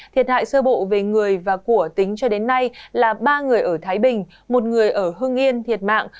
thiệt hại sơ bộ về người và của tính cho đến nay là ba người ở thái bình một người ở hương yên thiệt mạng